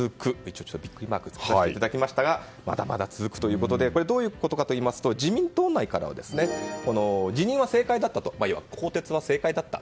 一応ビックリマークをつけさせていただきましたがまだまだ続くということでどういうことかといいますと自民党内からは辞任は正解だったと更迭は正解だった。